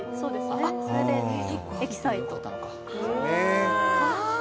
それでエキサイト。